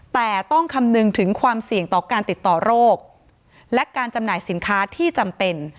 แต่ต้องคำนึงถึงความเสี่ยงต่อการติดต่อโรคและการจำหน่ายสินค้าที่จำเป็น